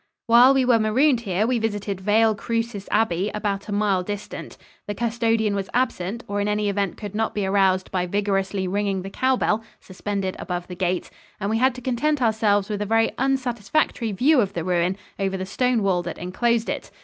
While we were marooned here we visited Vale Crucis Abbey, about a mile distant. The custodian was absent, or in any event could not be aroused by vigorously ringing the cowbell suspended above the gate, and we had to content ourselves with a very unsatisfactory view of the ruin over the stone wall that enclosed it.